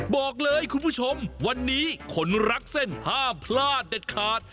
บอกเลยคุณผู้ชมวันนี้คนรักเส้นห้ามพลาดเด็ดขาด